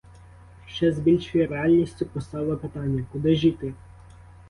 Ще з більшою реальністю постало питання: куди ж іти?